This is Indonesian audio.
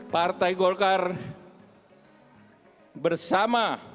partai golkar bersama